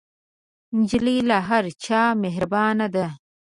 نجلۍ له هر چا مهربانه ده.